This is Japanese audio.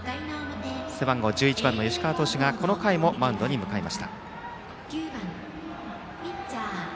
背番号１１の吉川投手がこの回もマウンドに向かいました。